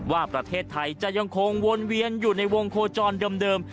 ว่าประเทศไทยจะยังคงวนเวียนอยู่ในวงโคจรเดิม